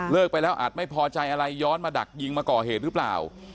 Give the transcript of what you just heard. ไปแล้วอาจไม่พอใจอะไรย้อนมาดักยิงมาก่อเหตุหรือเปล่า